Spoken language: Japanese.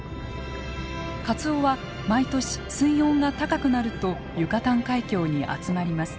カツオは毎年水温が高くなるとユカタン海峡に集まります。